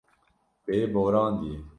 Wê borandiye.